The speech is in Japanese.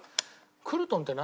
クルトンって何？